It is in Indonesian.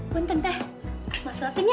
bantuan asma suapin ya